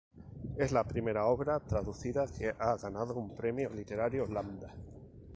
Es la primera obra traducida que ha ganado un Premio Literario Lambda.